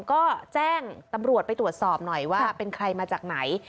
ก็แจ้งตำรวจไปตรวจสอบหน่อยว่าเป็นใครมาจากไหน